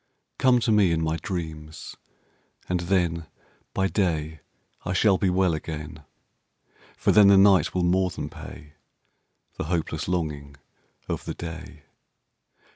]COME to me in my dreams, and thenBy day I shall be well again. For then the night will more than payThe hopeless longing of the day.